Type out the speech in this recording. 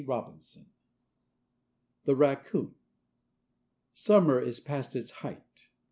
XXVIII THE RACCOON Summer is past its height.